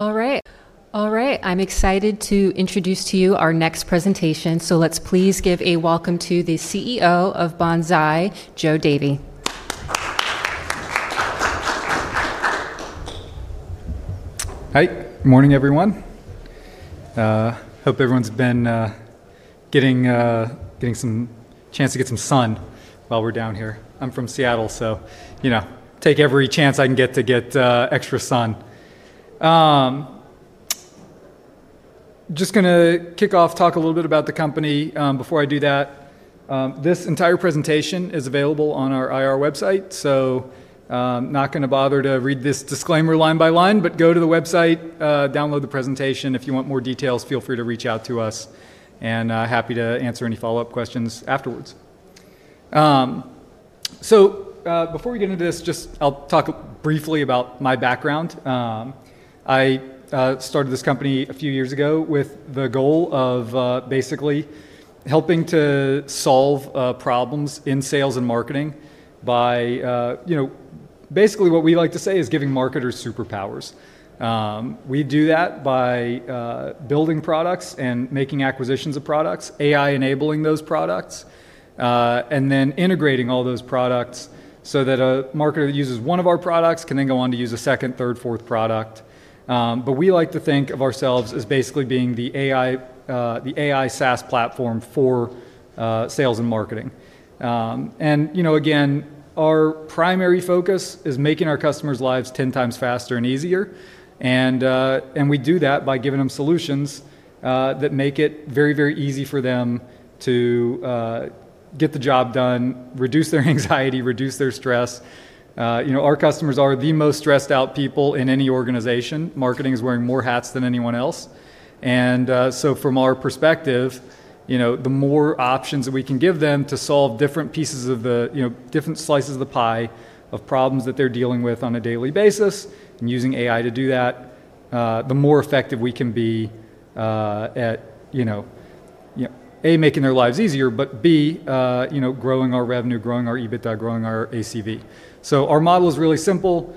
All right. All right. I'm excited to introduce to you our next presentation. Let's please give a welcome to the CEO of Banzai, Joe Davy. Hi. Morning, everyone. Hope everyone's been getting some chance to get some sun while we're down here. I'm from Seattle, so you know take every chance I can get to get extra sun. Just going to kick off, talk a little bit about the company. Before I do that, this entire presentation is available on our IR website. I'm not going to bother to read this disclaimer line by line, but go to the website, download the presentation. If you want more details, feel free to reach out to us. Happy to answer any follow-up questions afterwards. Before we get into this, I'll talk briefly about my background. I started this company a few years ago with the goal of basically helping to solve problems in sales and marketing by basically what we like to say is giving marketers superpowers. We do that by building products and making acquisitions of products, AI enabling those products, and then integrating all those products so that a marketer that uses one of our products can then go on to use a second, third, fourth product. We like to think of ourselves as basically being the AI SaaS platform for sales and marketing. Again, our primary focus is making our customers' lives 10x faster and easier. We do that by giving them solutions that make it very, very easy for them to get the job done, reduce their anxiety, reduce their stress. Our customers are the most stressed out people in any organization. Marketing is wearing more hats than anyone else. From our perspective, the more options that we can give them to solve different pieces of the different slices of the pie of problems that they're dealing with on a daily basis and using AI to do that, the more effective we can be at A, making their lives easier, but B, growing our revenue, growing our EBITDA, growing our ACV. Our model is really simple.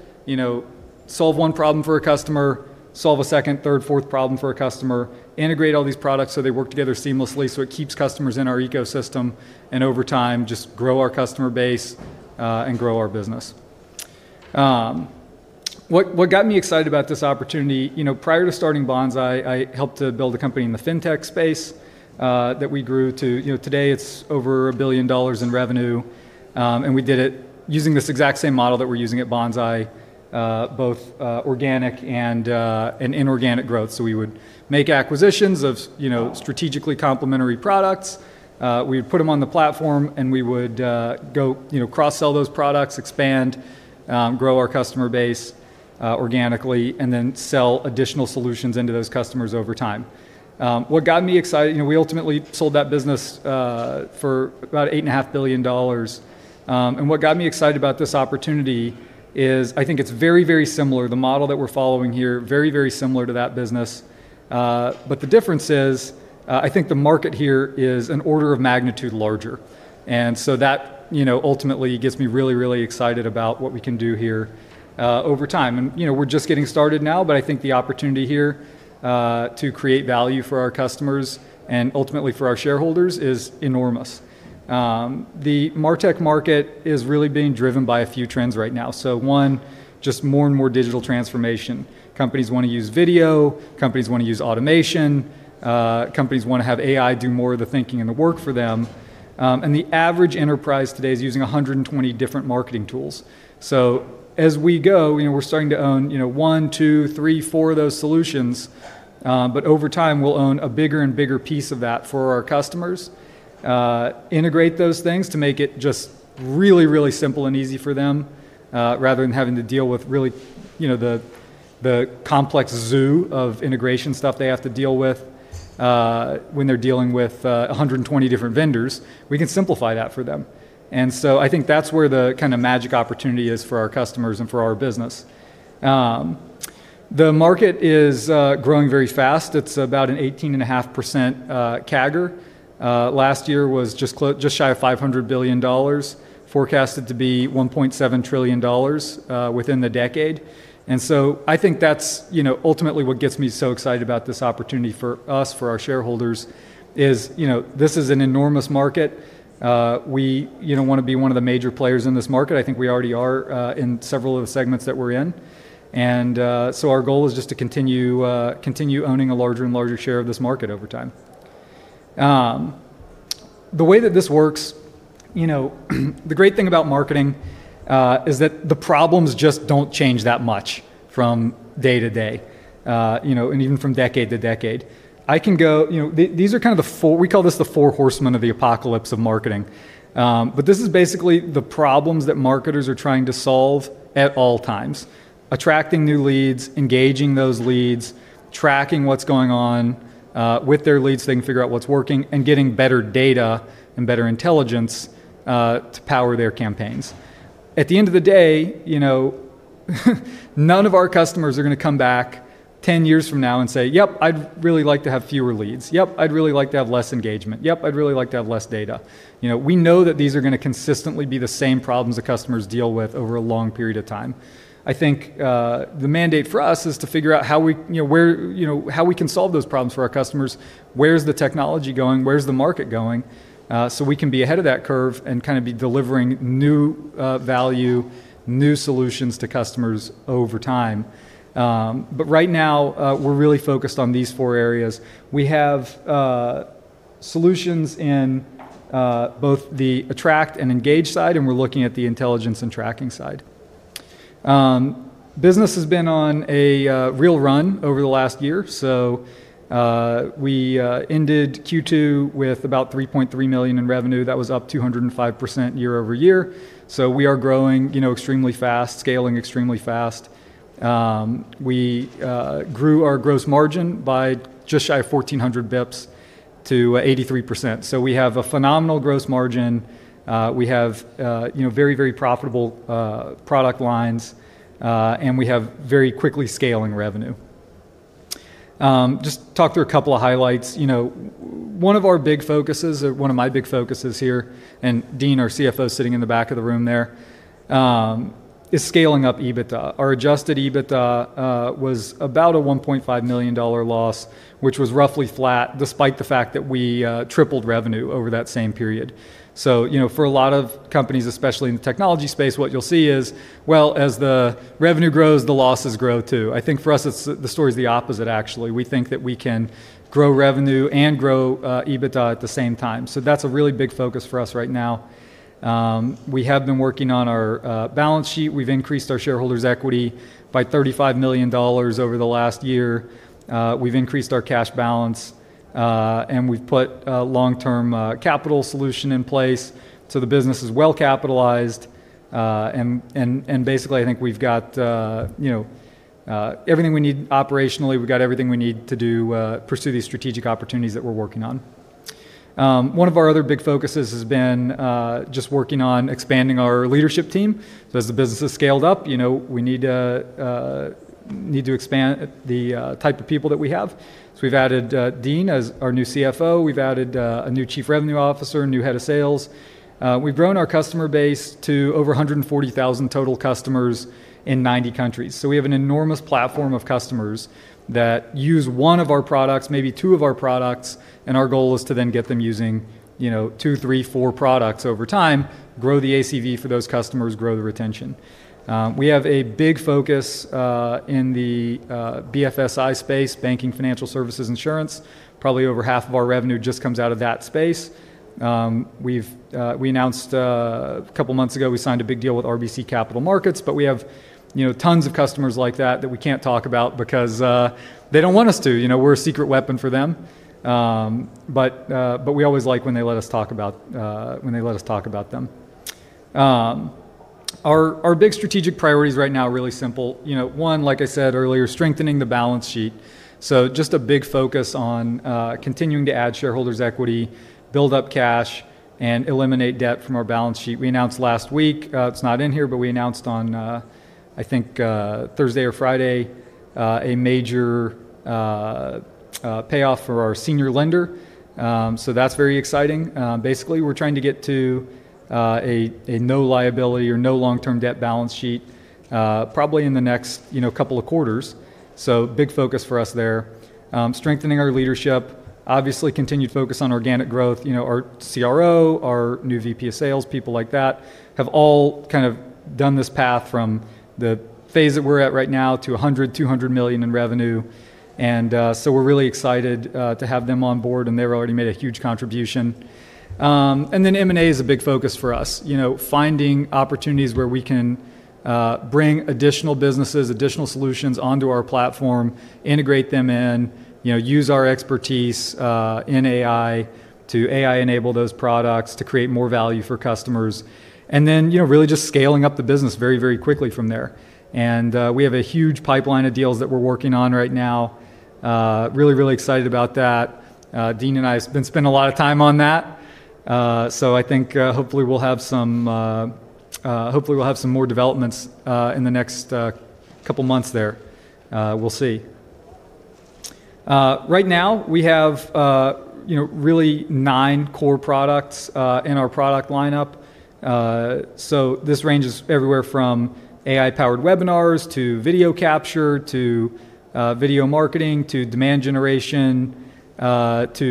Solve one problem for a customer, solve a second, third, fourth problem for a customer, integrate all these products so they work together seamlessly. It keeps customers in our ecosystem, and over time, just grow our customer base and grow our business. What got me excited about this opportunity? Prior to starting Banzai, I helped to build a company in the fintech space that we grew to today, it's over $1 billion in revenue. We did it using this exact same model that we're using at Banzai, both organic and inorganic growth. We would make acquisitions of strategically complementary products. We would put them on the platform, and we would go cross-sell those products, expand, grow our customer base organically, and then sell additional solutions into those customers over time. What got me excited, we ultimately sold that business for about $8.5 billion. What got me excited about this opportunity is I think it's very, very similar, the model that we're following here, very, very similar to that business. The difference is I think the market here is an order of magnitude larger. That ultimately gets me really, really excited about what we can do here over time. We're just getting started now, but I think the opportunity here to create value for our customers and ultimately for our shareholders is enormous. The MarTech market is really being driven by a few trends right now. One, just more and more digital transformation. Companies want to use video. Companies want to use automation. Companies want to have AI do more of the thinking and the work for them. The average enterprise today is using 120 different marketing tools. As we go, we're starting to own one, two, three, four of those solutions. Over time, we'll own a bigger and bigger piece of that for our customers, integrate those things to make it just really, really simple and easy for them, rather than having to deal with really the complex zoo of integration stuff they have to deal with when they're dealing with 120 different vendors. We can simplify that for them. I think that's where the kind of magic opportunity is for our customers and for our business. The market is growing very fast. It's about an 18.5% CAGR. Last year was just shy of $500 billion, forecasted to be $1.7 trillion within the decade. I think that's ultimately what gets me so excited about this opportunity for us, for our shareholders is this is an enormous market. We want to be one of the major players in this market. I think we already are in several of the segments that we're in. Our goal is just to continue owning a larger and larger share of this market over time. The way that this works, the great thing about marketing is that the problems just don't change that much from day to day and even from decade to decade. I can go, these are kind of the four, we call this the four horsemen of the apocalypse of marketing. This is basically the problems that marketers are trying to solve at all times: attracting new leads, engaging those leads, tracking what's going on with their leads so they can figure out what's working, and getting better data and better intelligence to power their campaigns. At the end of the day, none of our customers are going to come back 10 years from now and say, yep, I'd really like to have fewer leads. Yep, I'd really like to have less engagement. Yep, I'd really like to have less data. We know that these are going to consistently be the same problems that customers deal with over a long period of time. I think the mandate for us is to figure out how we can solve those problems for our customers. Where is the technology going? Where is the market going? We can be ahead of that curve and kind of be delivering new value, new solutions to customers over time. Right now, we're really focused on these four areas. We have solutions in both the attract and engage side, and we're looking at the intelligence and tracking side. Business has been on a real run over the last year. We ended Q2 with about $3.3 million in revenue. That was up 205% year-over-year. We are growing extremely fast, scaling extremely fast. We grew our gross margin by just shy of 1,400 bps to 83%. We have a phenomenal gross margin. We have very, very profitable product lines, and we have very quickly scaling revenue. Just talk through a couple of highlights. One of our big focuses, one of my big focuses here, and Dean, our CFO, is sitting in the back of the room there, is scaling up EBITDA. Our adjusted EBITDA was about a $1.5 million loss, which was roughly flat despite the fact that we tripled revenue over that same period. For a lot of companies, especially in the technology space, what you'll see is, as the revenue grows, the losses grow too. I think for us, the story is the opposite, actually. We think that we can grow revenue and grow EBITDA at the same time. That's a really big focus for us right now. We have been working on our balance sheet. We've increased our shareholders' equity by $35 million over the last year. We've increased our cash balance, and we've put a long-term capital solution in place. The business is well capitalized. I think we've got everything we need operationally. We've got everything we need to pursue these strategic opportunities that we're working on. One of our other big focuses has been just working on expanding our leadership team. As the business has scaled up, we need to expand the type of people that we have. We've added Dean as our new CFO. We've added a new Chief Revenue Officer, a new Head of Sales. We've grown our customer base to over 140,000 total customers in 90 countries. We have an enormous platform of customers that use one of our products, maybe two of our products. Our goal is to then get them using two, three, four products over time, grow the ACV for those customers, grow the retention. We have a big focus in the BFSI space, banking, financial services, insurance. Probably over half of our revenue just comes out of that space. We announced a couple of months ago, we signed a big deal with RBC Capital Markets. We have tons of customers like that that we can't talk about because they don't want us to. We're a secret weapon for them. We always like when they let us talk about them. Our big strategic priorities right now are really simple. Like I said earlier, strengthening the balance sheet. Just a big focus on continuing to add shareholders' equity, build up cash, and eliminate debt from our balance sheet. We announced last week, it's not in here, but we announced on, I think, Thursday or Friday, a major payoff for our senior lender. That's very exciting. Basically, we're trying to get to a no liability or no long-term debt balance sheet probably in the next couple of quarters. Big focus for us there. Strengthening our leadership, obviously continued focus on organic growth. Our CRO, our new VP of Sales, people like that have all kind of done this path from the phase that we're at right now to $100 million, $200 million in revenue. We're really excited to have them on board. They've already made a huge contribution. M&A is a big focus for us, finding opportunities where we can bring additional businesses, additional solutions onto our platform, integrate them in, use our expertise in AI to AI enable those products to create more value for customers, and really just scaling up the business very, very quickly from there. We have a huge pipeline of deals that we're working on right now. Really, really excited about that. Dean and I have been spending a lot of time on that. I think hopefully we'll have some more developments in the next couple of months there. We'll see. Right now, we have really nine core products in our product lineup. This ranges everywhere from AI-powered webinars to video capture to video marketing to demand generation. We have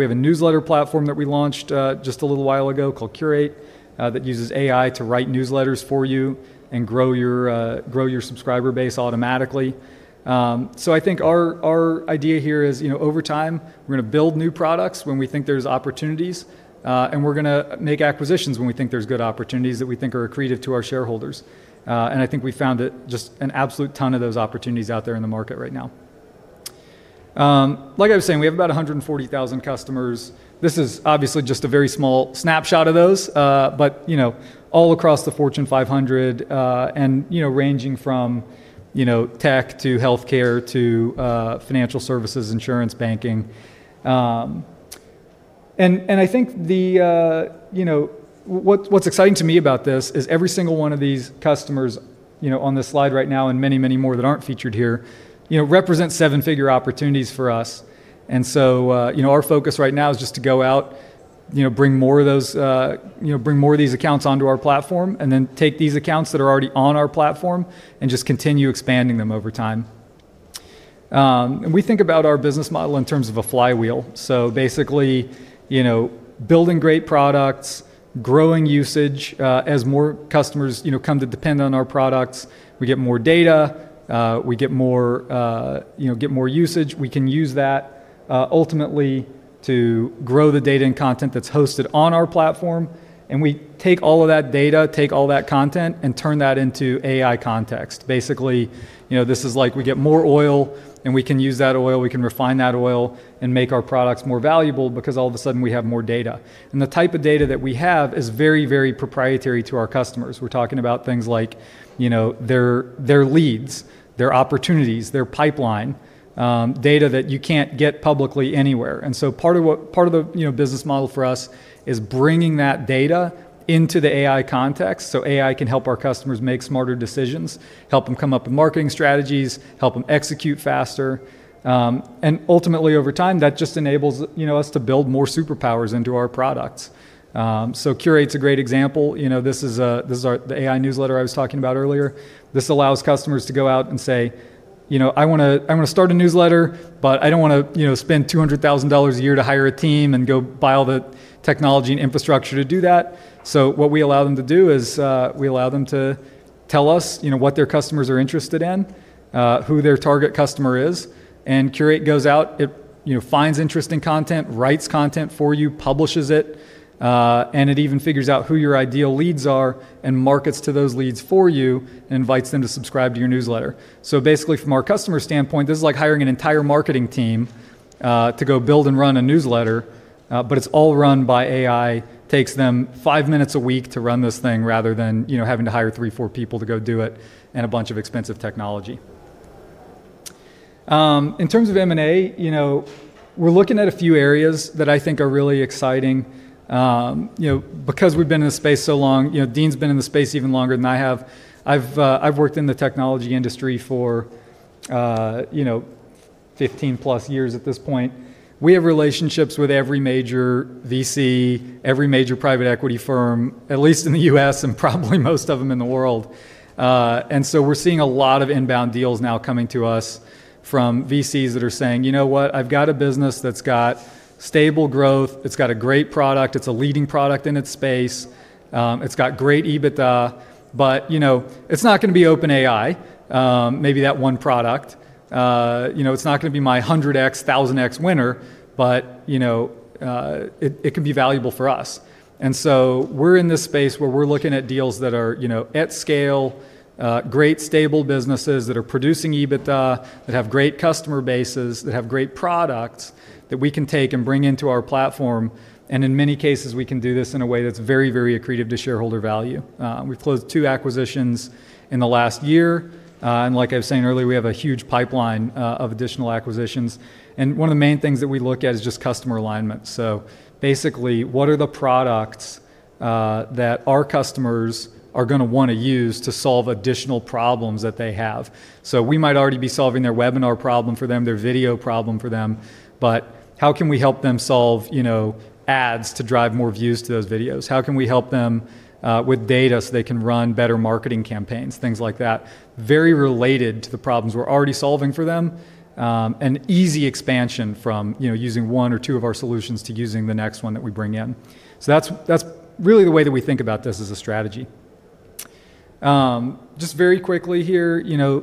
a newsletter platform that we launched just a little while ago called Curate that uses AI to write newsletters for you and grow your subscriber base automatically. I think our idea here is, over time, we're going to build new products when we think there's opportunities. We're going to make acquisitions when we think there's good opportunities that we think are accretive to our shareholders. I think we found just an absolute ton of those opportunities out there in the market right now. Like I was saying, we have about 140,000 customers. This is obviously just a very small snapshot of those, but all across the Fortune 500 and ranging from tech to health care to financial services, insurance, banking. I think what's exciting to me about this is every single one of these customers on this slide right now and many, many more that aren't featured here represent seven-figure opportunities for us. Our focus right now is just to go out, bring more of these accounts onto our platform, and then take these accounts that are already on our platform and just continue expanding them over time. We think about our business model in terms of a flywheel. Basically, building great products, growing usage. As more customers come to depend on our products, we get more data. We get more usage. We can use that ultimately to grow the data and content that's hosted on our platform. We take all of that data, take all that content, and turn that into AI context. Basically, this is like we get more oil, and we can use that oil. We can refine that oil and make our products more valuable because all of a sudden, we have more data. The type of data that we have is very, very proprietary to our customers. We're talking about things like their leads, their opportunities, their pipeline, data that you can't get publicly anywhere. Part of the business model for us is bringing that data into the AI context so AI can help our customers make smarter decisions, help them come up with marketing strategies, help them execute faster. Ultimately, over time, that just enables us to build more superpowers into our products. Curate's a great example. This is the AI newsletter I was talking about earlier. This allows customers to go out and say, I want to start a newsletter, but I don't want to spend $200,000 a year to hire a team and go buy all the technology and infrastructure to do that. What we allow them to do is we allow them to tell us what their customers are interested in, who their target customer is. Curate goes out, it finds interesting content, writes content for you, publishes it. It even figures out who your ideal leads are and markets to those leads for you and invites them to subscribe to your newsletter. Basically, from our customer standpoint, this is like hiring an entire marketing team to go build and run a newsletter, but it's all run by AI. It takes them five minutes a week to run this thing rather than having to hire three, four people to go do it and a bunch of expensive technology. In terms of M&A, we're looking at a few areas that I think are really exciting. Because we've been in the space so long, Dean's been in the space even longer than I have. I've worked in the technology industry for 15+ years at this point. We have relationships with every major VC, every major private equity firm, at least in the U.S. and probably most of them in the world. We're seeing a lot of inbound deals now coming to us from VCs that are saying, you know what? I've got a business that's got stable growth. It's got a great product. It's a leading product in its space. It's got great EBITDA. It's not going to be OpenAI, maybe that one product. It's not going to be my 100x, 1,000x winner. It can be valuable for us. We're in this space where we're looking at deals that are at scale, great stable businesses that are producing EBITDA, that have great customer bases, that have great products that we can take and bring into our platform. In many cases, we can do this in a way that's very, very accretive to shareholder value. We've closed two acquisitions in the last year. Like I was saying earlier, we have a huge pipeline of additional acquisitions. One of the main things that we look at is just customer alignment. Basically, what are the products that our customers are going to want to use to solve additional problems that they have? We might already be solving their webinar problem for them, their video problem for them. How can we help them solve ads to drive more views to those videos? How can we help them with data so they can run better marketing campaigns, things like that, very related to the problems we're already solving for them and easy expansion from using one or two of our solutions to using the next one that we bring in? That's really the way that we think about this as a strategy. Just very quickly here,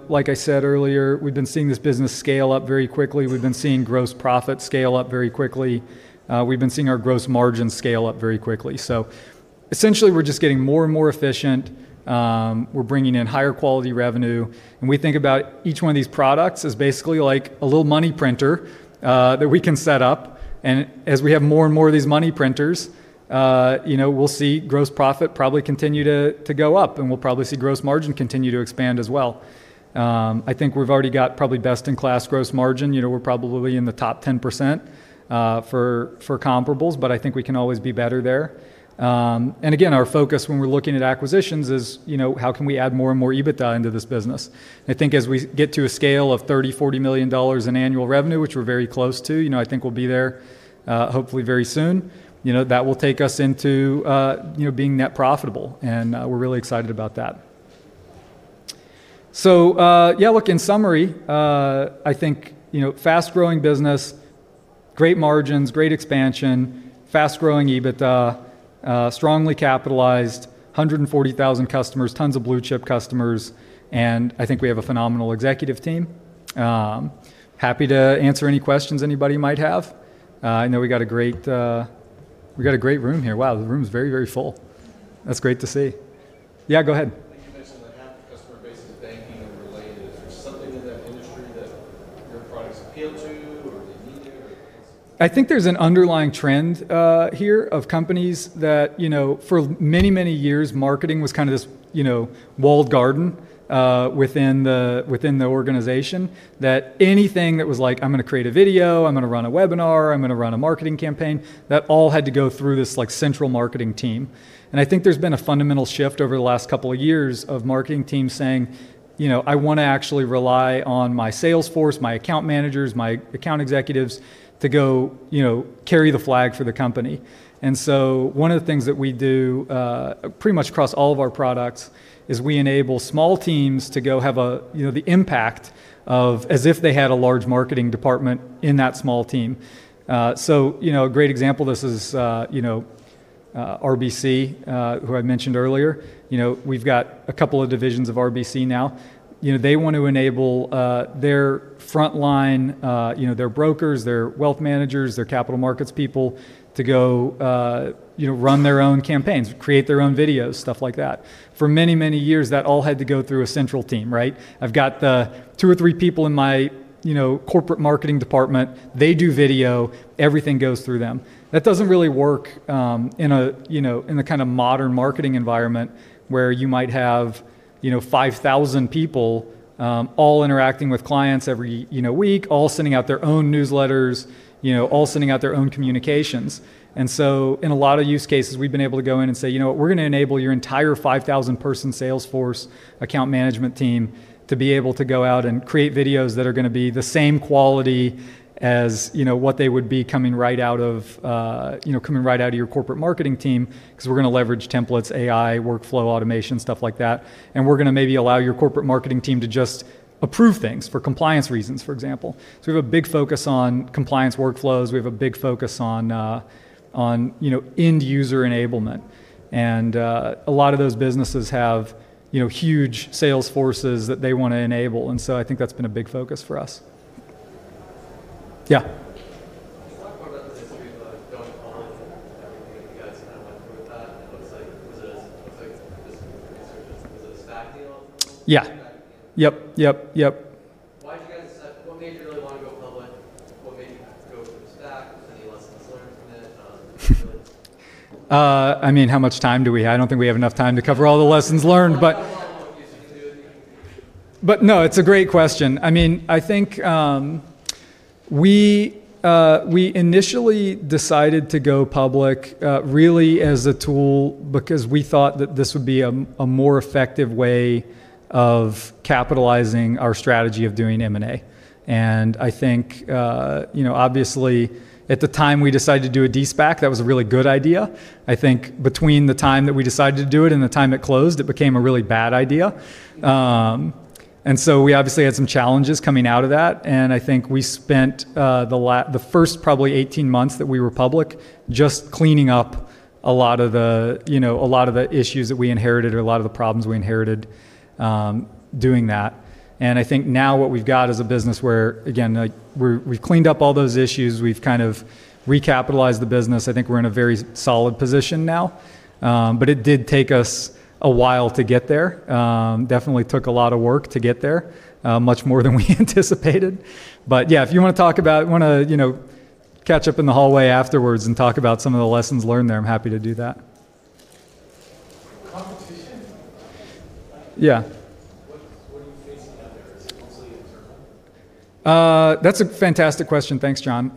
like I said earlier, we've been seeing this business scale up very quickly. We've been seeing gross profit scale up very quickly. We've been seeing our gross margin scale up very quickly. Essentially, we're just getting more and more efficient. We're bringing in higher quality revenue. We think about each one of these products as basically like a little money printer that we can set up. As we have more and more of these money printers, we'll see gross profit probably continue to go up. We'll probably see gross margin continue to expand as well. I think we've already got probably best-in-class gross margin. We're probably in the top 10% for comparables. I think we can always be better there. Again, our focus when we're looking at acquisitions is how can we add more and more EBITDA into this business? I think as we get to a scale of $30 million, $40 million in annual revenue, which we're very close to, I think we'll be there hopefully very soon. That will take us into being net profitable. We're really excited about that. In summary, I think fast-growing business, great margins, great expansion, fast-growing EBITDA, strongly capitalized, 140,000 customers, tons of blue-chip customers. I think we have a phenomenal executive team. Happy to answer any questions anybody might have. I know we got a great room here. Wow, the room is very, very full. That's great to see. Yeah, go ahead. I think you mentioned that half the customer base is banking and related. Is there something in that industry that your products appeal to or they needed? I think there's an underlying trend here of companies that for many, many years, marketing was kind of this walled garden within the organization that anything that was like, I'm going to create a video, I'm going to run a webinar, I'm going to run a marketing campaign, that all had to go through this central marketing team. I think there's been a fundamental shift over the last couple of years of marketing teams saying, I want to actually rely on my sales force, my account managers, my account executives to go carry the flag for the company. One of the things that we do pretty much across all of our products is we enable small teams to go have the impact of as if they had a large marketing department in that small team. A great example of this is RBC, who I mentioned earlier. We've got a couple of divisions of RBC now. They want to enable their front line, their brokers, their wealth managers, their capital markets people to go run their own campaigns, create their own videos, stuff like that. For many, many years, that all had to go through a central team, right? I've got the two or three people in my corporate marketing department. They do video. Everything goes through them. That doesn't really work in a kind of modern marketing environment where you might have 5,000 people all interacting with clients every week, all sending out their own newsletters, all sending out their own communications. In a lot of use cases, we've been able to go in and say, you know what? We're going to enable your entire 5,000-person sales force, account management team to be able to go out and create videos that are going to be the same quality as what they would be coming right out of your corporate marketing team because we're going to leverage templates, AI, workflow, automation, stuff like that. We're going to maybe allow your corporate marketing team to just approve things for compliance reasons, for example. We have a big focus on compliance workflows. We have a big focus on end-user enablement. A lot of those businesses have huge sales forces that they want to enable. I think that's been a big focus for us. Yeah? I just want to talk about the history of Banzai and everything that you guys kind of went through with that. It looks like it was a, it looks like just from the research, it was a stack deal at the moment? Yeah. You guys came up with it. Yep, yep, yep. Why did you guys decide? What made you really want to go public? What made you go for the stack? Was there any lessons learned from it? I mean, how much time do we have? I don't think we have enough time to cover all the lessons learned. I don't know if you should do it. It's a great question. I think we initially decided to go public really as a tool because we thought that this would be a more effective way of capitalizing our strategy of doing M&A. I think, obviously, at the time we decided to do a de-SPAC, that was a really good idea. I think between the time that we decided to do it and the time it closed, it became a really bad idea. We obviously had some challenges coming out of that. I think we spent the first probably 18 months that we were public just cleaning up a lot of the issues that we inherited or a lot of the problems we inherited doing that. I think now what we've got is a business where, again, we've cleaned up all those issues. We've kind of recapitalized the business. I think we're in a very solid position now. It did take us a while to get there. Definitely took a lot of work to get there, much more than we anticipated. If you want to catch up in the hallway afterwards and talk about some of the lessons learned there, I'm happy to do that. Competition? Yeah. What are you facing out there? Is it mostly internal? That's a fantastic question. Thanks, John.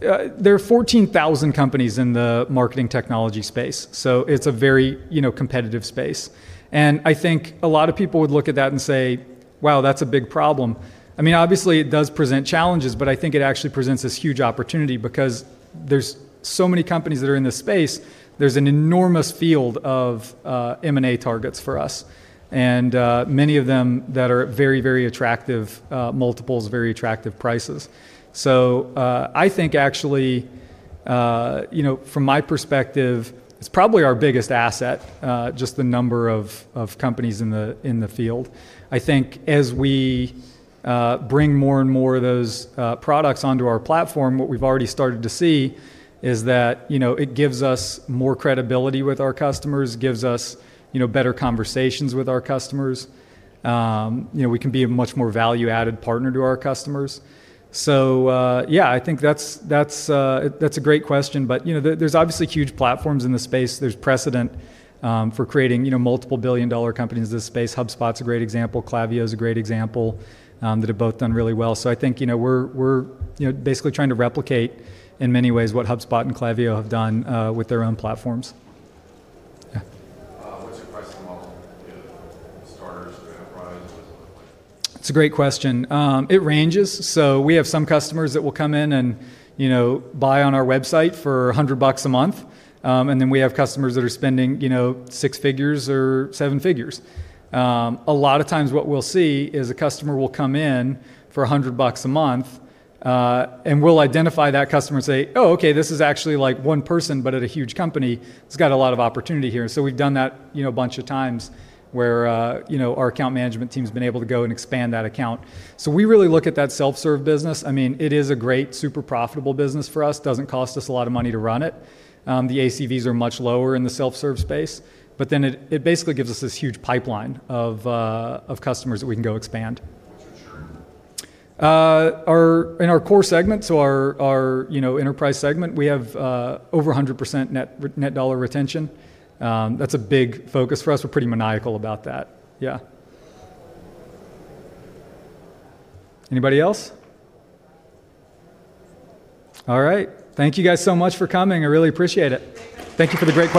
There are 14,000 companies in the marketing technology space. It's a very competitive space. I think a lot of people would look at that and say, wow, that's a big problem. It does present challenges. I think it actually presents this huge opportunity because there's so many companies that are in this space. There's an enormous field of M&A targets for us and many of them that are at very, very attractive multiples, very attractive prices. I think actually, from my perspective, it's probably our biggest asset, just the number of companies in the field. I think as we bring more and more of those products onto our platform, what we've already started to see is that it gives us more credibility with our customers, gives us better conversations with our customers. We can be a much more value-added partner to our customers. I think that's a great question. There's obviously huge platforms in this space. There's precedent for creating multiple billion-dollar companies in this space. HubSpot is a great example. Klaviyo is a great example that have both done really well. I think we're basically trying to replicate in many ways what HubSpot and Klaviyo have done with their own platforms. What's your pricing model? Do you have starters through enterprise? What does it look like? It's a great question. It ranges. We have some customers that will come in and buy on our website for $100 a month, and we have customers that are spending six figures or seven figures. A lot of times, what we'll see is a customer will come in for $100 a month, and we'll identify that customer and say, oh, OK, this is actually like one person, but at a huge company. It's got a lot of opportunity here. We've done that a bunch of times where our account management team has been able to go and expand that account. We really look at that self-serve business. I mean, it is a great, super profitable business for us. It doesn't cost us a lot of money to run it. The ACVs are much lower in the self-serve space, but then it basically gives us this huge pipeline of customers that we can go expand. What's your churn? In our core segment, so our enterprise segment, we have over 100% net dollar retention. That's a big focus for us. We're pretty maniacal about that. Anybody else? All right. Thank you guys so much for coming. I really appreciate it. Thank you for the great.